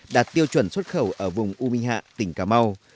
đạt tiêu chuẩn xuất khẩu ở vùng uminha tỉnh cà mau